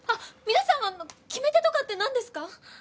皆さんは決め手とかってなんですか？